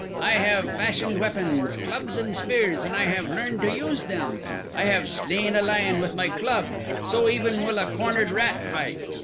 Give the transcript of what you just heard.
I have fashioned weapons clubs and spears and I have learned to use them. I have slain a lion with my club. So even will a cornered rat fight.